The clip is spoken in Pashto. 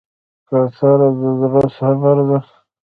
کوتره د زړه صبر ده.